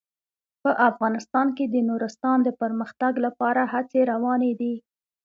په افغانستان کې د نورستان د پرمختګ لپاره هڅې روانې دي.